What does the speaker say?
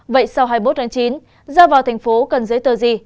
vậy sau hai mươi bốn tháng chín ra vào thành phố cần giới tờ gì